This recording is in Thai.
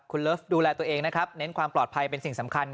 คุณเลิฟดูแลตัวเองนะครับเน้นความปลอดภัยเป็นสิ่งสำคัญ